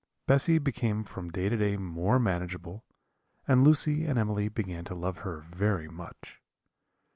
Bessy became from day to day more manageable, and Lucy and Emily began to love her very much.